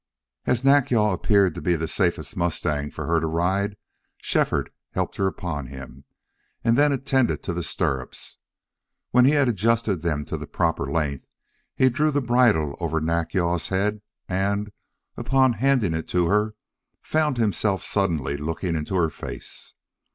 As Nack yal appeared to be the safest mustang for her to ride, Shefford helped her upon him and then attended to the stirrups. When he had adjusted them to the proper length he drew the bridle over Nack yal's head and, upon handing it to her, found himself suddenly looking into her face.